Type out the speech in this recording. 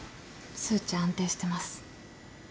数値安定してます。